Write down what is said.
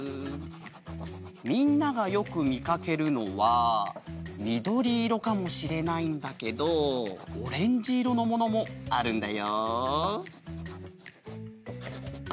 みんながよくみかけるのはみどりいろかもしれないんだけどオレンジいろのものもあるんだよ。